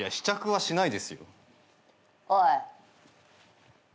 はい。